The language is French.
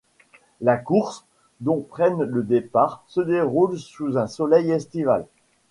La course, dont prennent le départ, se déroule sous un soleil estival.